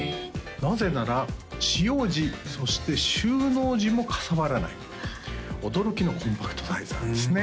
なぜなら使用時そして収納時もかさばらない驚きのコンパクトサイズなんですね